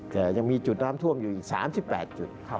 แต่ยังมีจุดน้ำท่วมอยู่อีก๓๘จุด